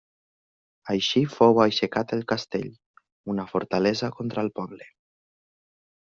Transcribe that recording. Així fou aixecat el castell, una fortalesa contra el poble.